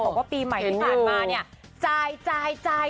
จะบอกว่าปีใหม่ที่ผ่านมาเนี่ย